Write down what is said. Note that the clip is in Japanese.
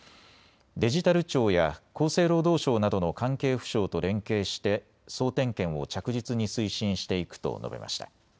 デジタル庁や厚生労働省などの関係府省と連携して総点検を着実に推進していくと述べました。